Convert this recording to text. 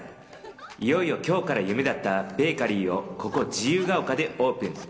いよいよ今日から夢だったベーカリーをここ、自由が丘でオープン。